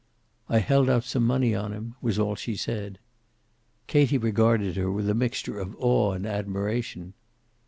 "I held out some money on him," was all she said. Katie regarded her with a mixture of awe and admiration.